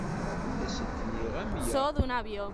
Ur asent-nniɣ amya.